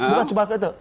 bukan cuma itu